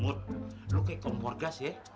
mut lu kayak kompor gas ya